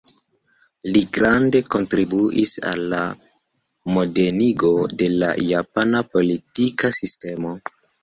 Li grande kontribuis al la modenigo de la japana politika sistemo.